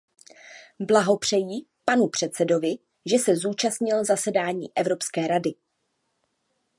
Blahopřeji panu předsedovi, že se zúčastnil zasedání Evropské rady.